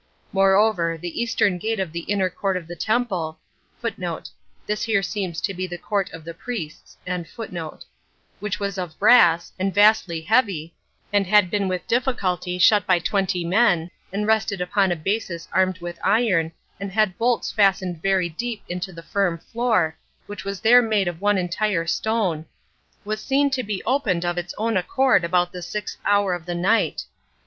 Moreover, the eastern gate of the inner 22 [court of the] temple, which was of brass, and vastly heavy, and had been with difficulty shut by twenty men, and rested upon a basis armed with iron, and had bolts fastened very deep into the firm floor, which was there made of one entire stone, was seen to be opened of its own accord about the sixth hour of the night.